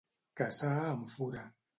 Caçar amb fura.